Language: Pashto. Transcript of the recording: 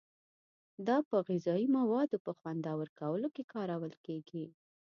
دا په غذایي موادو په خوندور کولو کې کارول کیږي.